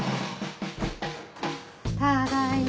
ただいま。